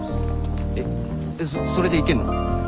えっそれでいけんの？